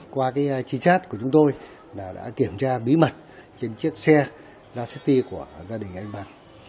qua trinh sát của chúng tôi đã kiểm tra bí mật trên chiếc xe la city của gia đình anh bằng